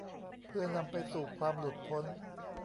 เพื่อนำไปสู่ความหลุดพ้น